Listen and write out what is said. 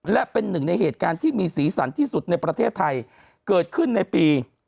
และเป็นหนึ่งในเหตุการณ์ที่มีสีสันที่สุดในประเทศไทยเกิดขึ้นในปี